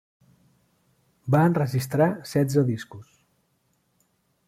Va enregistrar setze discos.